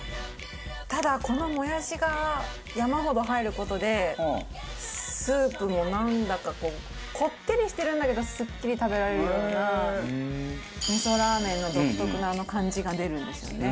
ただこのもやしが山ほど入る事でスープのなんだかこうこってりしてるんだけどすっきり食べられるような味噌ラーメンの独特なあの感じが出るんですよね。